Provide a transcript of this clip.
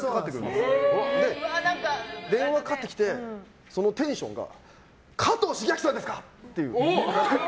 電話がかかってきてそのテンションが加藤シゲアキさんですかっ！？っていう。